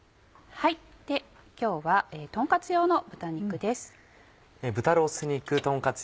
今日はとんカツ用の豚肉です。